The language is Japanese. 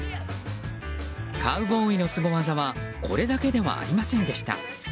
カウボーイのスゴ技はこれだけではありませんでした。